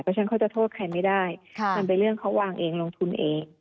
เพราะฉะนั้นเขาจะโทษใครไม่ได้มันเป็นเรื่องเขาวางเองลงทุนเอง